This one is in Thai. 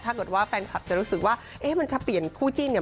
ถ้าเกิดว่าแฟนคลับจะรู้สึกว่าเอ๊ะมันจะเปลี่ยนคู่จิ้นเนี่ย